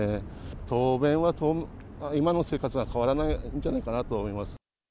当面は今の生活が変わらないんじゃないかなと思います。